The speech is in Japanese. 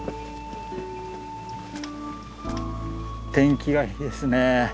天気がいいですね。